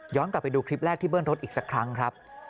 กลับไปดูคลิปแรกที่เบิ้ลรถอีกสักครั้งครับ